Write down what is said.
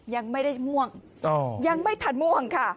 ยังไม่ได้ม่วงยังไม่ทันม่วงค่ะ